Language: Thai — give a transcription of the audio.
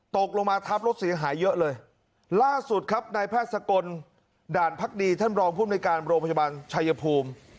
ตกลงมาทับรถเสียหายเยอะเลยล่าสุดครับนายแพทย์สกลด่านพักดีท่านรองภูมิในการโรงพยาบาลชายภูมิ